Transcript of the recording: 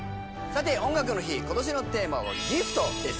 「音楽の日」、今年のテーマは「ＧＩＦＴ−ギフト−」です